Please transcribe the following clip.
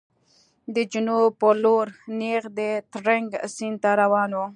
د جنوب په لور نېغ د ترنک سیند ته روان و.